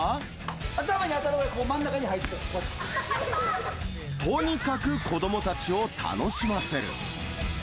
頭に当たるぐらい真ん中に入とにかく子どもたちを楽しませる。